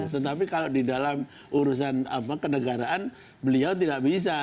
tetapi kalau di dalam urusan kenegaraan beliau tidak bisa